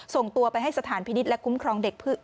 ส่งตัวไปให้สถานพินิษฐ์และคุ้มครองเด็ก